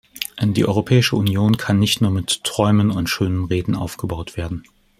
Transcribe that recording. Die Europäische Union kann nicht nur mit Träumen und schönen Reden aufgebaut werden.